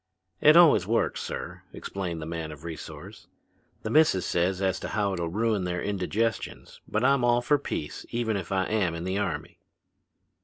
"It always works, sir," explained the man of resource. "The missus says as how it'll ruin their indigestions, but I'm all for peace even if I am in the army."